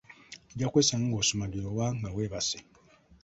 Ojja kwesanga ng'osumagira oba nga weebaase.